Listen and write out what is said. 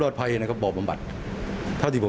ดนตรี